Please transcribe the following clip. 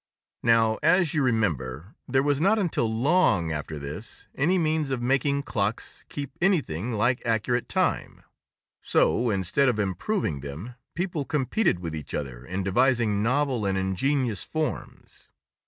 Now, as you remember, there was not until long after this any means of making clocks keep anything like accurate time; so, instead of improving them, people competed with each other in devising novel and ingenious forms.